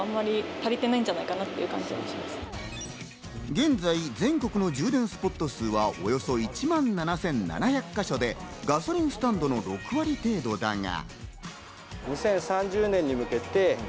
現在、全国の充電スポット数はおよそ１万７７００か所で、ガソリンスタンドの６割程度だが。